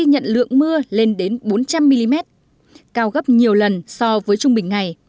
ghi nhận lượng mưa lên đến bốn trăm linh mm cao gấp nhiều lần so với trung bình ngày